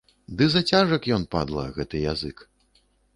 Ды зацяжак ён, падла, гэты язык.